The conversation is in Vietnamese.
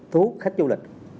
thu hút khách du lịch